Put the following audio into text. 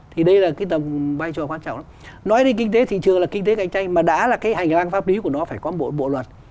thì đây là cái tầm vai trò quan trọng nói đến kinh tế thị trường là kinh tế cạnh tranh mà đã là cái hành lang pháp lý của nó phải có một bộ luật